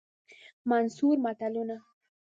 منثور متلونه